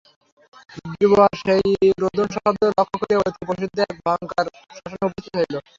বীরবর সেই রোদনশব্দ লক্ষ্য করিয়া অতি প্রসিদ্ধ এক ভয়ঙ্কর শ্মশানে উপস্থিত হইল।